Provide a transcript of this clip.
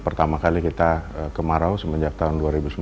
pertama kali kita kemarau semenjak tahun dua ribu sembilan